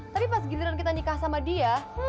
tapi pas giliran kita nikah sama dia